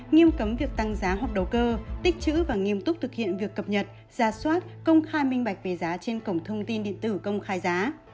nghiêm cấm việc tăng giá hoặc đầu cơ tích chữ và nghiêm túc thực hiện việc cập nhật ra soát công khai minh bạch về giá trên cổng thông tin điện tử công khai giá